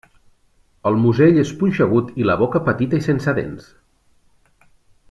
El musell és punxegut i la boca petita i sense dents.